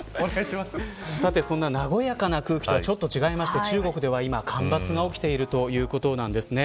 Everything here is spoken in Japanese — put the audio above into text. そんな和やかな空気とちょっと違いまして中国では今、干ばつが起きているということですね。